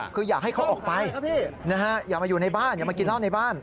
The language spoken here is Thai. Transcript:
คืออยากให้เขาออกไปอย่ามาอยู่ในบ้านอย่ามากินเหล้าในบ้าน